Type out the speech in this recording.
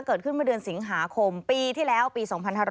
เกิดขึ้นเมื่อเดือนสิงหาคมปีที่แล้วปี๒๕๕๙